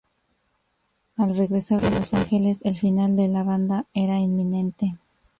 Al regresar de Los Ángeles, el final de la banda era inminente.